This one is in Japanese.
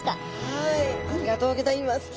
はいありがとうギョざいます。